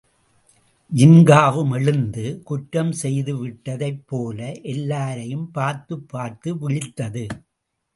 ஜின்காவும் எழுந்து, குற்றம் செய்துவிட்டதைப் போல எல்லாரையும் பார்த்துப் பார்த்து விழித்தது.